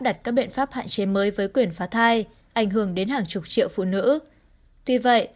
bảo quyền pháp hạn chế mới với quyền phá thai ảnh hưởng đến hàng chục triệu phụ nữ tuy vậy